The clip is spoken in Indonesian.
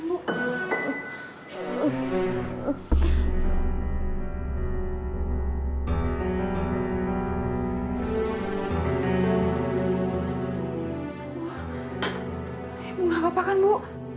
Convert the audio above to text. bu apa apa kan bu